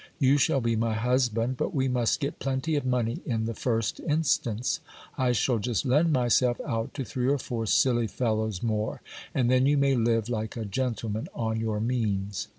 You shall be my husband, but we must get plenty of money in the first instance. I shall just lend myself out to three or four silly fellows more, and then you may live like a gentleman on your means.